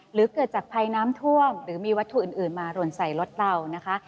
หรือเกิดจากภัยน้ำท่วมหรือมีวัตถุอื่นมาหล่นใส่รถเรานะคะ